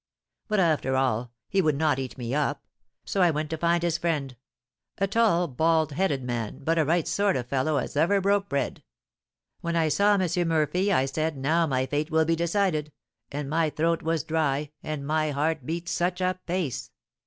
But, after all, he would not eat me up; so I went to find his friend, a tall, bald headed man, but a right sort of fellow as ever broke bread. When I saw M. Murphy, I said,'Now my fate will be decided;' and my throat was dry, and my heart beat such a pace!